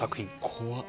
怖っ。